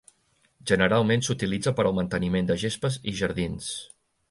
Generalment s'utilitza per al manteniment de gespes i jardins.